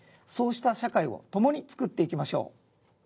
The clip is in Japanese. そうした社会をともにつくっていきましょう。